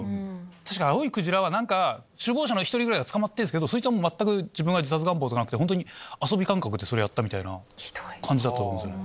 確か「青い鯨」は首謀者の１人が捕まってるんですけどそいつは全く自分は自殺願望とかなくてホントに遊び感覚でそれやったみたいな感じだったと思うんですよね。